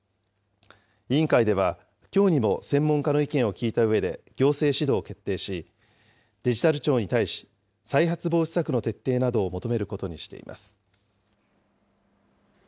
委員会では、きょうにも専門家の意見を聞いたうえで行政指導を決定し、デジタル庁に対し、再発防止策の徹底などを求めることにしています。